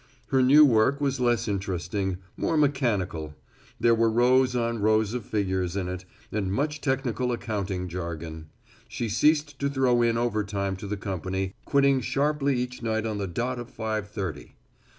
Her new work was less interesting, more mechanical. There were rows on rows of figures in it, and much technical accounting jargon. She ceased to throw in overtime to the company, quitting sharply each night on the dot of five thirty.